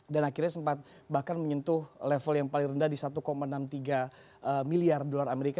dan akhirnya sempat bahkan menyentuh level yang paling rendah di satu enam puluh tiga miliar dolar amerika